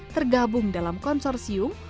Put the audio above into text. tergabung dalam konsorsium